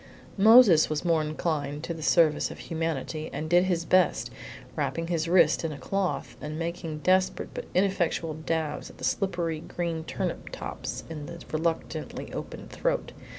Moses was more inclined to the service of humanity, and did his best, wrapping his wrist in a cloth, and making desperate but ineffectual dabs at the slippery green turnip tops in the reluctantly opened throat.